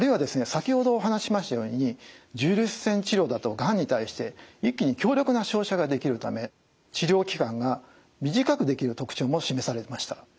先ほどお話ししましたように重粒子線治療だとがんに対して一気に強力な照射ができるため治療期間が短くできる特徴も示されました。